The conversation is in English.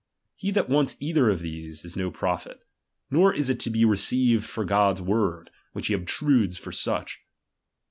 He that wants either of these, is no prophet ; nor is it to be received for God's word, which he obtrudes for such.